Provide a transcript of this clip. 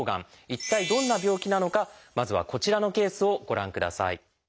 一体どんな病気なのかまずはこちらのケースをご覧ください。